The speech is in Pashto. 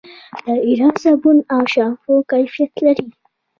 د ایران صابون او شامپو کیفیت لري.